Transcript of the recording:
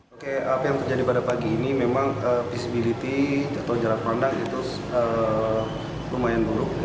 oke apa yang terjadi pada pagi ini memang visibility atau jarak pandang itu lumayan buruk